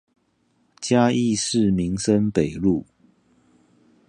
嘉義市民生北路